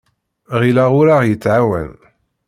Ɣileɣ ur aɣ-yettɛawan.